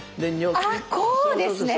あっこうですね！